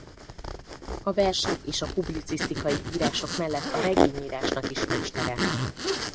A versek és a publicisztikai írások mellett a regényírásnak is mestere.